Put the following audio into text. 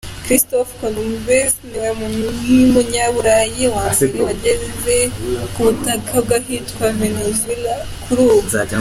Christophe Columbus, niwe munyaburayi wa mbere wageze ku butaka bw’ahitwa Venezuela kuri ubu.